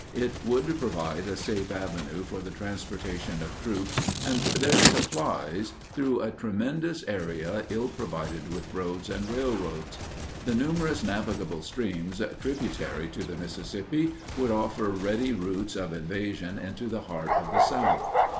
It would provide a safe avenue for the transportation of troops and their supplies through a tremendous area ill provided with roads and railroads; the numerous navigable streams tributary to the Mississippi would offer ready routes of invasion into the heart of the South.